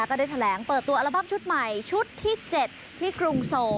ก็ได้แถลงเปิดตัวอัลบั้มชุดใหม่ชุดที่๗ที่กรุงโซ